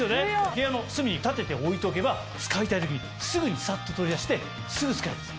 部屋の隅に立てて置いておけば使いたい時にすぐにサッと取り出してすぐ使えるんです。